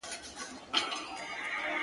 • لمبو ته یې سپارلی بدخشان دی که کابل دی -